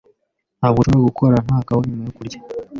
Ntabwo nshobora gukora nta kawa nyuma yo kurya.